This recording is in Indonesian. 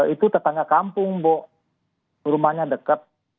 itu tetangga kampung bu rumahnya dekat